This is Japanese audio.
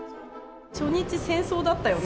初日、戦争だったよね。